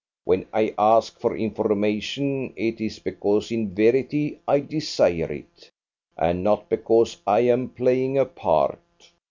When I ask for information, it is because in verity I desire it, and not because I am playing a part."